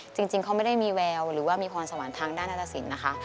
จริงเขาไม่ได้มีแววหรือว่ามีพรสวรรค์ทางด้านนัตรสินนะคะ